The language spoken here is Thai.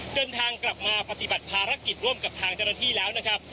เดินทางกลับมาปฏิบัติภารกิจร่วมกับทางเจ้าหน้าที่แล้วนะครับ